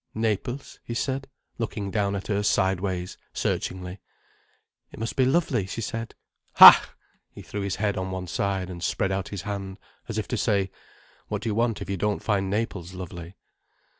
"Naples," he said, looking down at her sideways, searchingly. "It must be lovely," she said. "Ha—!" He threw his head on one side and spread out his hands, as if to say—"What do you want, if you don't find Naples lovely."